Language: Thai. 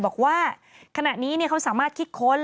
บอกว่าขณะนี้เขาสามารถคิดค้น